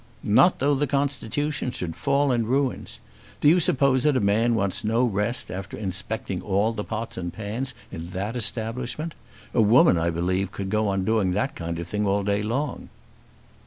"Not though the constitution should fall in ruins. Do you suppose that a man wants no rest after inspecting all the pots and pans in that establishment? A woman, I believe, could go on doing that kind of thing all day long."